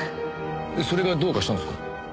それがどうかしたんですか？